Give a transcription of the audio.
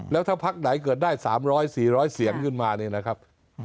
แล้วถ้าพักไหนเกิดได้สามร้อยสี่ร้อยเสี่ยงขึ้นมานะครับ